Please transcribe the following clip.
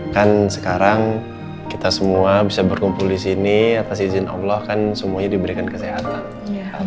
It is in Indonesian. kan sekarang kita semua bisa berkumpul di sini atas izin allah kan semuanya diberikan kesehatan